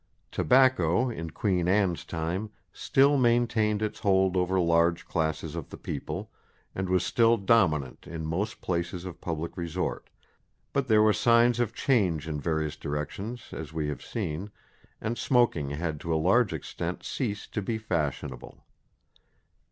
Tobacco, in Queen Anne's time, still maintained its hold over large classes of the people, and was still dominant in most places of public resort; but there were signs of change in various directions as we have seen, and smoking had to a large extent ceased to be fashionable.